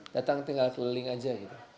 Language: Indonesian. datang tinggal keliling aja gitu